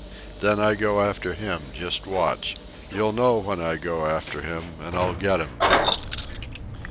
Then I go after him, just watch. You'll know when I go after him, an' I'll get'm, too."